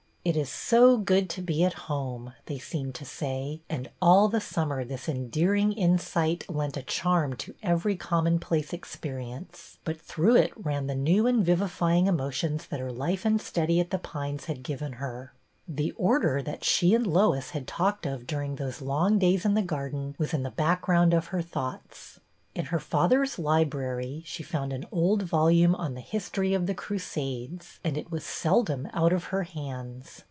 the order of the cup 201 " It is so good to be at home," they seemed to say, and all the summer this endearing insight lent a charm to every commonplace experience; but through it ran the new and vivifying emotions that her life and study at The Pines had given her. The Order that she and Lois had talked of during those long days in the garden was in the background of her thoughts. In her father's library she found an old volume on the " History of the Crusades," and it was seldom out of her hands.